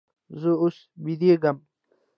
زه اوس بېدېږم.